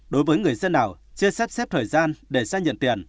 đối với người dân nào chưa xếp xếp thời gian để xe nhận tiền